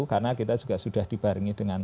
karena kita juga sudah dibaringi dengan